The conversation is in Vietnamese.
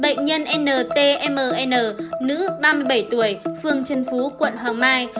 bệnh nhân ntmn nữ ba mươi bảy tuổi phường trần phú quận hoàng mai